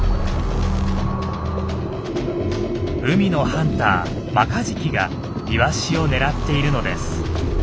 海のハンターマカジキがイワシを狙っているのです。